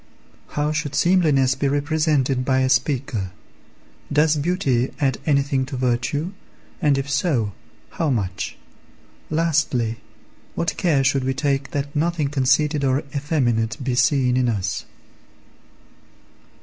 How should seemliness be represented by a speaker? Does beauty add anything to virtue, and, if so, how much? Lastly, what care should we take that nothing conceited or effeminate be seen in us?